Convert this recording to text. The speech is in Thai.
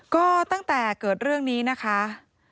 ก็ตั้งแต่เกิดเรื่องนี้นะคะ